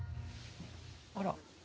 あら。